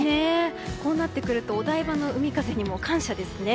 こうなってくるとお台場の海風にも感謝ですね。